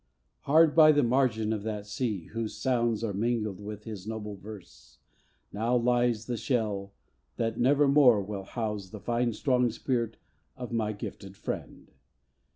Hard by the margin of that sea Whose sounds are mingled with his noble verse Now lies the shell that never more will house The fine strong spirit of my gifted friend.